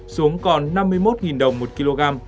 xuống còn năm mươi một đồng một kg